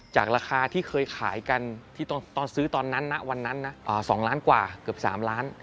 จากราคาที่เคยขายกันที่ตอนซื้อตอนนั้นนะวันนั้นนะ๒ล้านกว่าเกือบ๓ล้าน